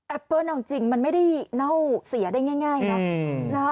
เปิ้ลเอาจริงมันไม่ได้เน่าเสียได้ง่ายนะ